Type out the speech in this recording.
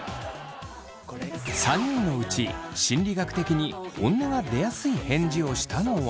３人のうち心理学的に本音がでやすい返事をしたのは。